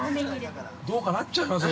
どうかなっちゃいますよ